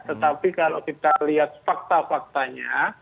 tetapi kalau kita lihat fakta faktanya